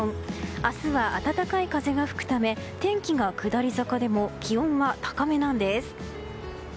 明日は暖かい風が吹くため天気が下り坂でも気温は高めなんです。